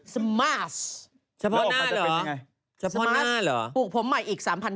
สมัสปลูกผมใหม่อีก๓๐๐๐เส้น